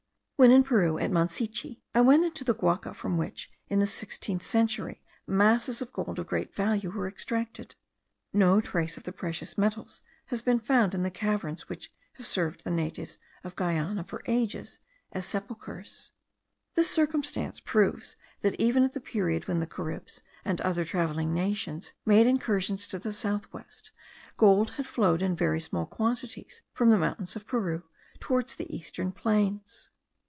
When in Peru, at Mancichi, I went into the guaca from which, in the sixteenth century, masses of gold of great value were extracted. No trace of the precious metals has been found in the caverns which have served the natives of Guiana for ages as sepulchres. This circumstance proves that even at the period when the Caribs, and other travelling nations, made incursions to the south west, gold had flowed in very small quantities from the mountains of Peru towards the eastern plains.